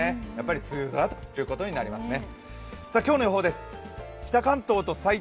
梅雨空ということになりますね。